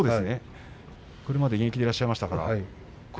これまで現役でらっしゃいましたから。